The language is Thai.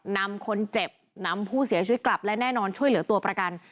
นำคนเจ็บนำผู้เสียชีวิตกลับและแน่นอนช่วยเหลือตัวประกัน